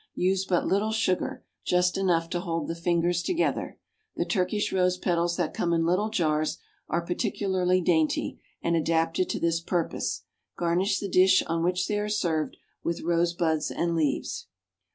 Use but little sugar just enough to hold the fingers together. The Turkish rose petals that come in little jars are particularly dainty, and adapted to this purpose. Garnish the dish on which they are served with rosebuds and leaves.